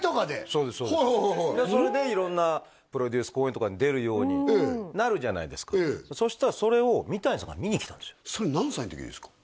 そうですそうですそれで色んなプロデュース公演とかに出るようになるじゃないですかそしたらそれをそれ何歳の時ですか？